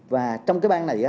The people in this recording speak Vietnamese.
và trong cái bang này